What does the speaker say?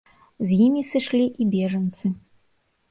З імі сышлі і бежанцы.